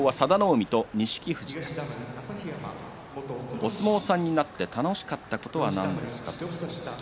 お相撲さんになって楽しかったことは何ですか？